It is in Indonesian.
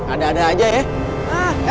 ada ada aja ya